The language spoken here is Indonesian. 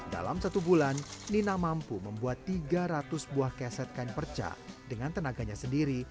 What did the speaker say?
dalam satu bulan nina mampu membuat tiga ratus buah keset kain perca dengan tenaganya sendiri